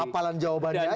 apalan jawabannya aja